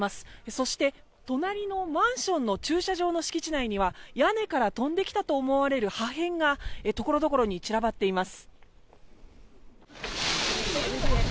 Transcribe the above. そして、隣のマンションの駐車場の敷地内には屋根から飛んできたとみられる破片が散らばっています。